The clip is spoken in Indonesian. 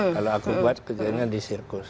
kalau akrobat kerjanya di sirkus